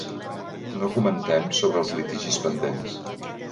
No comentem sobre els litigis pendents.